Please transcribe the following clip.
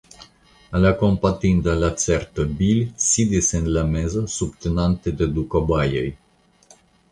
La kompatinda lacerto Bil sidis en la mezo subtenate de du kobajoj.